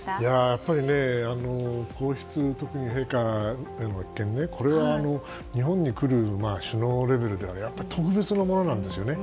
やっぱり、皇室の、特に陛下はこれは、日本に来る首脳レベルでありやっぱり特別なものなんですよね。